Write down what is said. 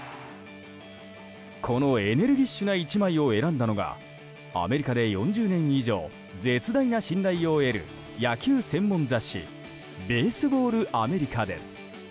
このエネルギッシュな１枚を選んだのがアメリカで４０年以上絶大な信頼を得る野球専門雑誌「ベースボール・アメリカ」です